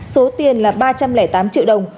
số tiền là ba trăm linh tám triệu đồng